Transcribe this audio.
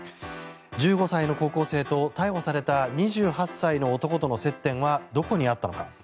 １５歳の高校生と逮捕された２８歳の男との接点はどこにあったのか。